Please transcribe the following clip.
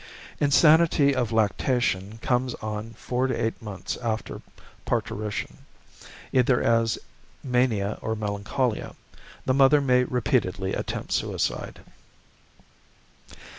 =Insanity of Lactation= comes on four to eight months after parturition, either as mania or melancholia. The mother may repeatedly attempt suicide.